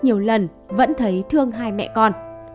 nhiều lần vẫn thấy thương hai mẹ con